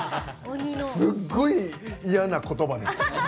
すっごい嫌なことばです。